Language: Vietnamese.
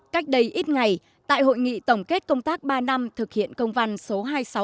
cách đây ít ngày tại hội nghị tổng kết công tác ba năm thực hiện công văn số hai nghìn sáu trăm sáu